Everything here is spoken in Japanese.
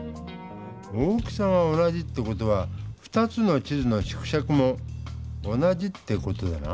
大きさが同じって事は２つの地図の縮尺も同じって事だな。